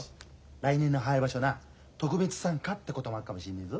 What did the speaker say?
来年のハワイ場所な特別参加ってこともあっかもしんねえぞ。